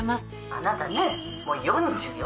☎あなたねもう４０よ